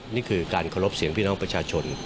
นี่คือการเคารพเสียงพี่น้องประชาชน